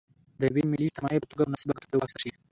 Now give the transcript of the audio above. د یوې ملي شتمنۍ په توګه مناسبه ګټه ترې واخیستل شي.